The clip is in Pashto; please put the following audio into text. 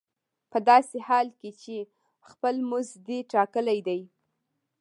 په داسې حال کې چې خپل مزد دې ټاکلی دی